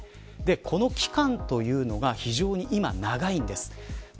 この期間というのが非常に今、長いんです。